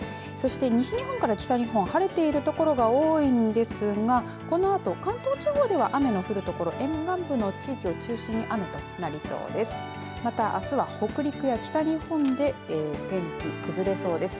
西日本から北日本晴れている所が多いんですがこのあと関東地方では雨が降る所沿岸部の地域を中心に雨となりそうです。